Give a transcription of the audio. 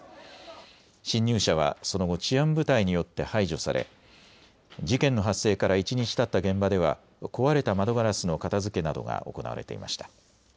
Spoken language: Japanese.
侵入者はその後、治安部隊によって排除され事件の発生から一日たった現場では壊れた窓ガラスの片づけなどが行われていました。